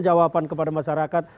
jawaban kepada masyarakat